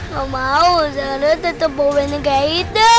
gak mau zara tetep bawa bunik kayak itu